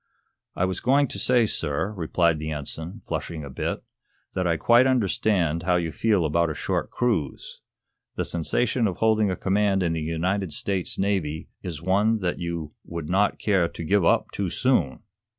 "I was going to say, sir," replied the Ensign, flushing a bit, "that I quite understand how you feel about a short cruise. The sensation of holding a command in the United States Navy is one that you would not care to give up too soon."